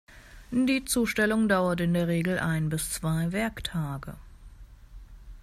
Die Zustellung dauert in der Regel ein bis zwei Werktage.